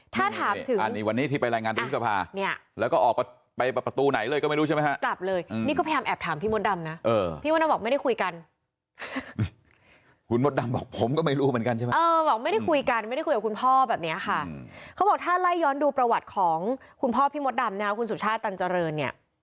ถ้าละย้อนดูประวัติของคุณพ่อพี่มดดำคุณสุชาติตัญจริง